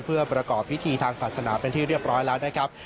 เพื่อประกอบพิธีทางศาสนาเป็นที่เรียบร้อยแล้วนะครับ